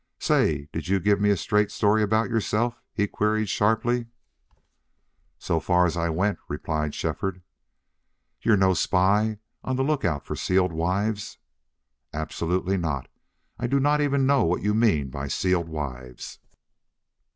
"Say, did you give me a straight story about yourself?" he queried, sharply. "So far as I went," replied Shefford. "You're no spy on the lookout for sealed wives?" "Absolutely not. I don't even know what you mean by sealed wives."